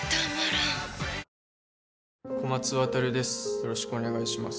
よろしくお願いします